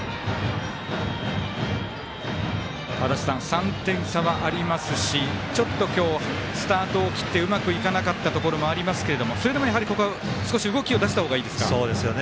３点差はありますしちょっと今日、スタートを切ってうまくいかなかったところもありましたけどそれでも、ここは動きを出した方がいいですか。